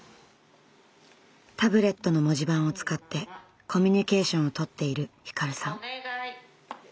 タブレットの文字盤を使ってコミュニケーションを取っているひかるさん。